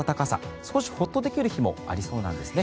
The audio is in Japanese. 少しホッとできる日もありそうなんですね。